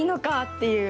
っていう。